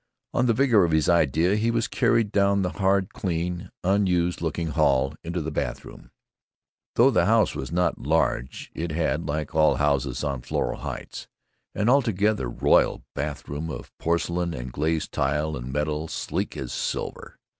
On the vigor of his idea he was carried down the hard, clean, unused looking hall into the bathroom. Though the house was not large it had, like all houses on Floral Heights, an altogether royal bathroom of porcelain and glazed tile and metal sleek as silver.